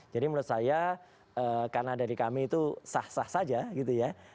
menurut saya karena dari kami itu sah sah saja gitu ya